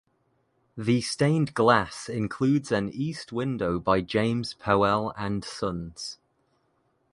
The stained glass includes an east window by James Powell and Sons.